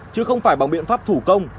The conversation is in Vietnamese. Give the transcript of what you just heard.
chứ không phải bằng biện pháp thủ công